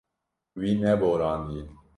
Wî neborandiye.